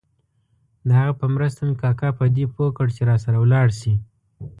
د هغه په مرسته مې کاکا په دې پوه کړ چې راسره ولاړ شي.